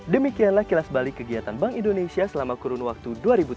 demikianlah kilas balik kegiatan bank indonesia selama kurun waktu dua ribu tujuh belas